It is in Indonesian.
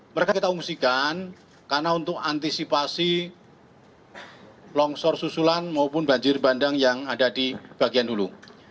mereka kita ungsikan karena untuk antisipasi longsor susulan maupun banjir bandang yang ada di bagian dulu